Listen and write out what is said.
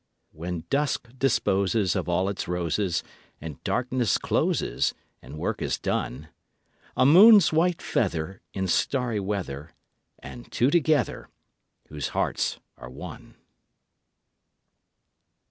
When dusk disposes Of all its roses, And darkness closes, And work is done, A moon's white feather In starry weather And two together Whose hearts are one.